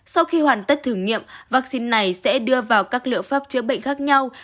sau khi hoàn tất thử nghiệm vaccine này sẽ đưa vào các liệu pháp chữa bệnh khác nhau